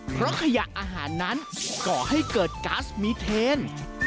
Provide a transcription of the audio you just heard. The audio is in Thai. เพราะขยะอาหารนั้นก่อให้เกิดกัสมีเทน